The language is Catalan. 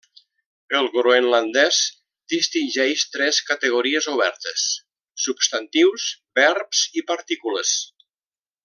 El groenlandès distingeix tres categories obertes: substantius, verbs i partícules.